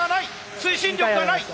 推進力がない！